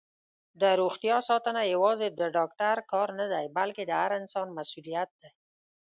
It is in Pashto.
دروغتیا ساتنه یوازې د ډاکټر کار نه دی، بلکې د هر انسان مسؤلیت دی.